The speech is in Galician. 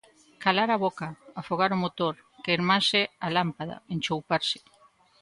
Calar a boca, afogar o motor, queimarse a lámpada, enchouparse